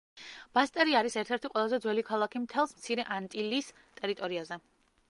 ბასტერი არის ერთ-ერთი ყველაზე ძველი ქალაქი მთელს მცირე ანტილის ტერიტორიაზე.